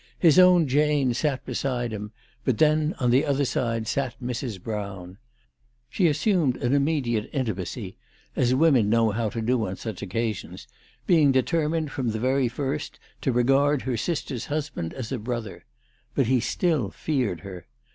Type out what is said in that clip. His own Jane sat beside him, but then on the other side sat Mrs. Brown. She assumed an immediate intimacy, as women know how to do on such occasions, being determined from the very first to regard her sister's husband as a brother ; but he still feared her.